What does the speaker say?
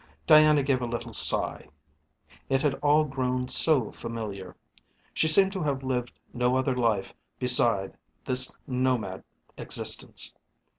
Diana gave a little sigh. It had all grown so familiar. She seemed to have lived no other life beside this nomad existence.